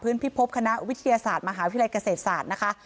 พิพบคณะวิทยาศาสตร์มหาวิทยาลัยเกษตรศาสตร์นะคะ